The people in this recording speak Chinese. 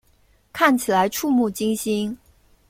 看起来怵目惊心